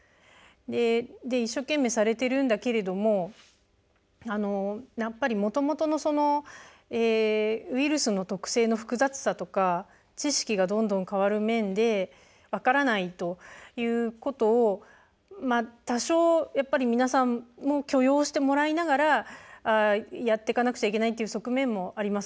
一生懸命されてるんだけれどももともとのウイルスの特性の複雑さとか知識がどんどん変わる面で分からないということを多少、やっぱり皆さんも許容してもらいながらやってかなくちゃいけないっていう側面もあります。